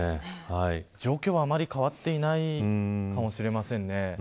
状況は、あんまり変わっていないかもしれませんね。